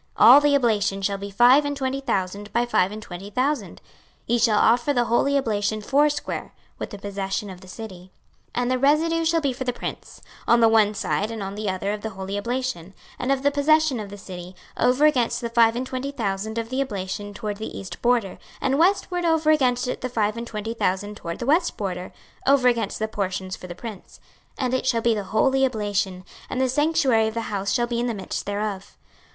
26:048:020 All the oblation shall be five and twenty thousand by five and twenty thousand: ye shall offer the holy oblation foursquare, with the possession of the city. 26:048:021 And the residue shall be for the prince, on the one side and on the other of the holy oblation, and of the possession of the city, over against the five and twenty thousand of the oblation toward the east border, and westward over against the five and twenty thousand toward the west border, over against the portions for the prince: and it shall be the holy oblation; and the sanctuary of the house shall be in the midst thereof.